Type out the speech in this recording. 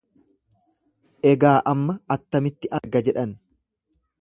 Egaa amma attamitti arga? jedhan.